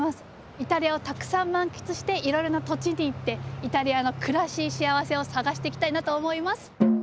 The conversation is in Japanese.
イタリアをたくさん満喫していろいろな土地に行ってイタリアの暮らししあわせを探していきたいなと思います。